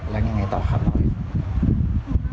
แล้วยังไงต่อครับน้องพี่